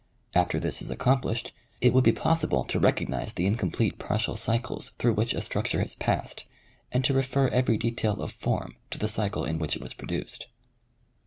After this is accomplished, it would be possible to recognize the incom plete partial cycles through which a structure has passed, and to refer every detail of form to the cycle in which it was produced.